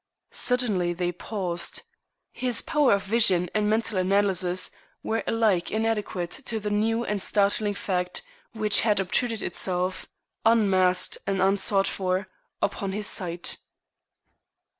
Suddenly they paused. His power of vision and mental analysis were alike inadequate to the new and startling fact which had obtruded itself, unasked and unsought for, upon his sight.